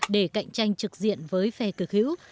để cạnh tranh trực diện với phe cực hữu